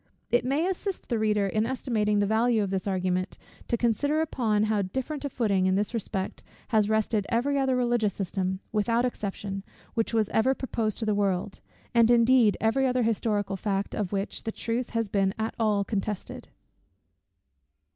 It may assist the reader in estimating the value of this argument, to consider upon how different a footing, in this respect, has rested every other religious system, without exception, which was ever proposed to the world; and, indeed, every other historical fact, of which the truth has been at all contested.